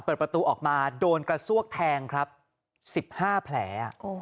เปิดประตูออกมาโดนกระซวกแทงครับ๑๕แผล